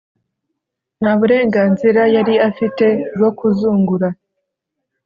nta buren- ganzira yari afite bwo kuzungura